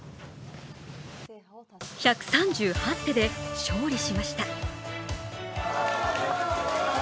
１３８手で勝利しました。